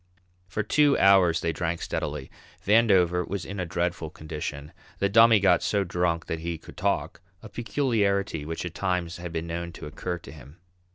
For two hours they drank steadily. Vandover was in a dreadful condition; the Dummy got so drunk that he could talk, a peculiarity which at times had been known to occur to him.